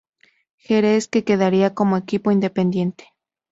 Jerez, que quedaría como equipo independiente.